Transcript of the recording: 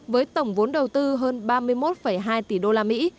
với tổng vốn đầu tư hơn ba mươi một hai tỷ đô la mỹ